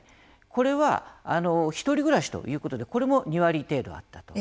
これは１人暮らしということでこれも２割程度あったと。